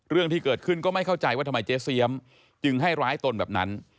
เรื่องที่เกิดขึ้นก็ไม่เข้าใจว่าทำไมเจ๊เสียมจึงให้ร้ายตนแบบนั้น